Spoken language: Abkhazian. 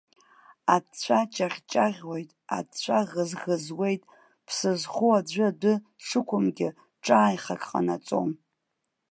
Аҵәҵәа ҷаӷьҷаӷьуеит, аҵәҵәа ӷызы-ӷызуеит, ԥсы зхоу аӡәы адәы дшықәымгьы, ҿааихак ҟанаҵом.